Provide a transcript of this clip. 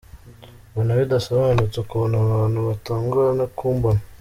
Mbona bidasobanutse ukuntu abantu batunguwe no kumbona.